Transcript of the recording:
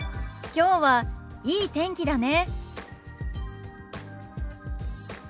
きょうはいい天気だね。